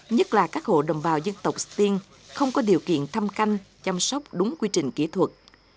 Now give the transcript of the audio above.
nhất là các hộ đồng bào dân tộc stiên không có điều kiện thăm canh chăm sóc đúng quy trình kỹ thuật